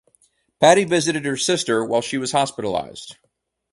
Patty visited her sister while she was hospitalized.